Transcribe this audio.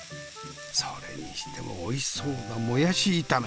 それにしてもおいしそうなもやし炒め。